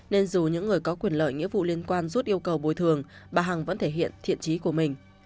nên dù những người có quyền lợi nghĩa vụ liên quan rút yêu cầu bồi thường bà hằng vẫn thể hiện thiện trí của mình